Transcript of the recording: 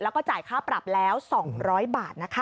แล้วก็จ่ายค่าปรับแล้ว๒๐๐บาทนะคะ